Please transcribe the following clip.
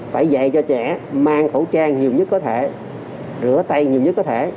phải dạy cho trẻ mang khẩu trang nhiều nhất có thể rửa tay nhiều nhất có thể